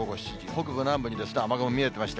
北部、南部に雨雲見えてました。